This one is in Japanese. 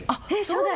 初代？